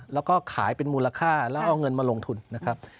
แล้วก็ขายเป็นมูลค่าแล้วเอาเงินมาลงทุนนะครับ